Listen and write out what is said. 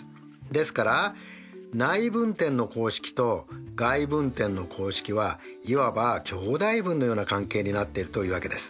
ですから内分点の公式と外分点の公式はいわば兄弟分のような関係になっているというわけです。